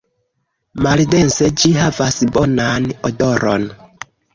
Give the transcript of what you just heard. Maldense ĝi havas bonan odoron.